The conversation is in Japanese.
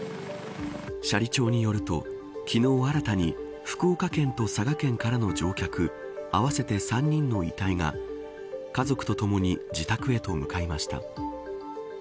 斜里町によると昨日新たに福岡県と佐賀県からの乗客合わせて３人の遺体が家族とともに自宅へと向かいました。